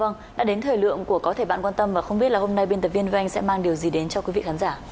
vâng đã đến thời lượng của có thể bạn quan tâm và không biết là hôm nay biên tập viên gran sẽ mang điều gì đến cho quý vị khán giả